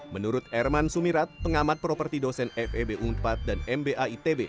menurut erman sumirat pengamat properti dosen febu empat dan mba itb